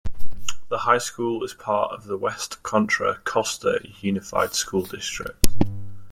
The high school is part of the West Contra Costa Unified School District.